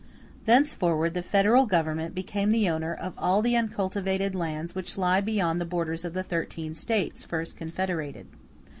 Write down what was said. *x Thenceforward the Federal Government became the owner of all the uncultivated lands which lie beyond the borders of the thirteen States first confederated.